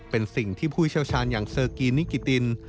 เป็นสิ่งที่ผู้เชี่ยวชาญอย่างเซอร์กีนิกิติน